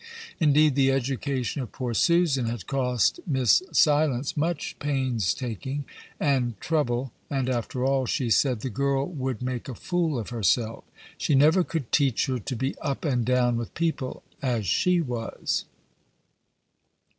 Indeed, the education of poor Susan had cost Miss Silence much painstaking and trouble, and, after all, she said "the girl would make a fool of herself; she never could teach her to be up and down with people, as she was."